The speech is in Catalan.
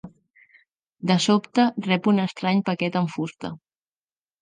De sobte rep un estrany paquet amb fusta.